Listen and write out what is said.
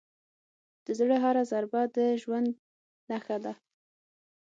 د زړه هره ضربه د ژوند نښه ده.